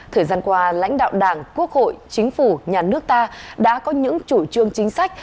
thời gian qua lãnh đạo đảng quốc hội chính phủ nhà nước ta đã có những chủ trương chính sách